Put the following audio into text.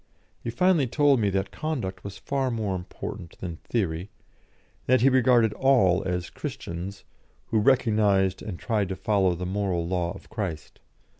He finally told me that conduct was far more important than theory, and that he regarded all as "Christians" who recognised and tried to follow the moral law of Christ.